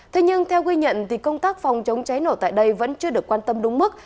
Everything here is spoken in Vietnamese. thế nhưng theo ghi nhận thì công tác phòng chống cháy nổ tại đây vẫn chưa được quan tâm đúng mức